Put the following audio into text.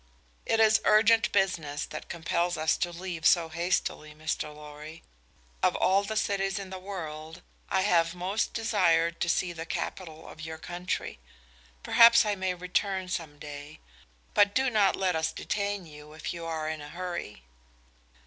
"It is urgent business that compels us to leave so hastily, Mr. Lorry. Of all the cities in the world, I have most desired to see the capital of your country. Perhaps I may return some day. But do not let us detain you, if you are in a hurry."